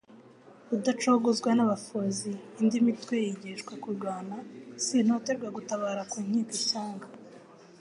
Rudacogozwa n'abafozi indi mitwe yigishwa kurwana, sintoterwa gutabara ku nkiko ishyanga,